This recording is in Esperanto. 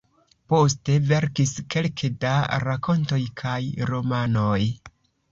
Poste verkis kelke da rakontoj kaj romanoj.